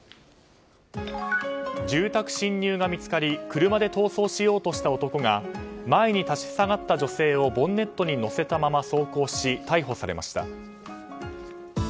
住宅侵入が見つかり車で逃走しようとした男が前に立ち塞がった女性をボンネットに乗せたまま走行し逮捕されました。